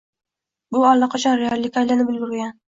Bu allaqachon reallikka aylanib ulgurgan.